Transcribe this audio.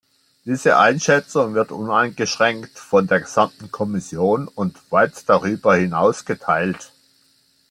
Diese Einschätzung wird uneingeschränkt von der gesamten Kommission und weit darüber hinaus geteilt.